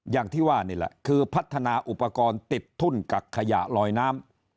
อย่างที่ว่านี่แหละคือพัฒนาอุปกรณ์ติดทุ่นกักขยะลอยน้ำ